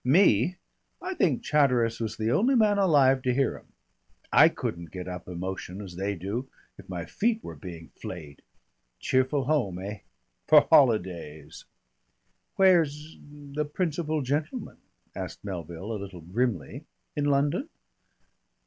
Me! I think Chatteris was the only man alive to hear 'em. I couldn't get up emotion as they do, if my feet were being flayed. Cheerful home, eh? For holidays." "Where's the principal gentleman?" asked Melville a little grimly. "In London?"